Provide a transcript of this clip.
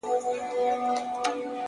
ستوري ډېوه سي ـهوا خوره سي ـ